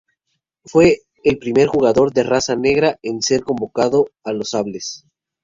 Fue el primer jugador de raza negra en ser convocado a los Sables.